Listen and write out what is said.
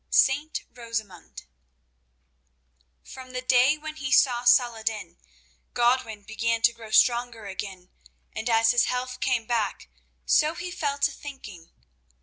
Saint Rosamund From the day when he saw Saladin Godwin began to grow strong again, and as his health came back, so he fell to thinking.